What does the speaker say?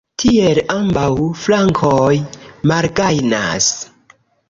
Tiel ambaŭ flankoj malgajnas.